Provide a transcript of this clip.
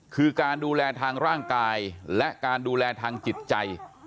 คือการดูแลทางร่างกายและการดูแลทางจิตใจ